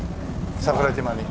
桜島に。